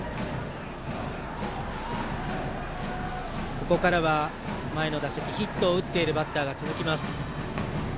ここからは、前の打席ヒットを打っているバッターが続きます。